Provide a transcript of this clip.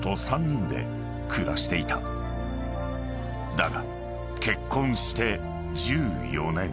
［だが結婚して１４年］